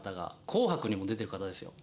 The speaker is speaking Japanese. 『紅白』にも出てる方ですよ。